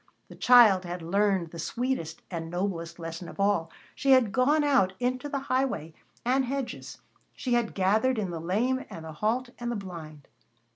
The child had learned the sweetest and noblest lesson of all. She had gone out into the highway and hedges, she had gathered in the lame and the halt and the blind.